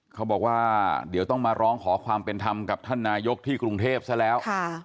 เขาบอกว่าเดี๋ยวต้องมาร้องขอความเป็นธรรมกับท่านนายกที่กรุงเทพซะแล้ว